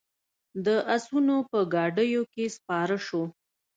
د آسونو په ګاډیو کې سپاره شوو.